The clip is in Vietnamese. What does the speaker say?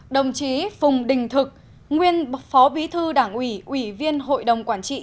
đồng chí phùng đình thực nguyên phó bí thư đảng ủy ủy viên hội đồng quản trị